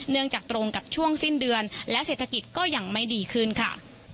จากตรงกับช่วงสิ้นเดือนและเศรษฐกิจก็ยังไม่ดีขึ้นค่ะ